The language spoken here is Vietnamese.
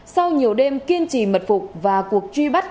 sau nhiều đêm kiên trì mật phục và cuộc truy bắt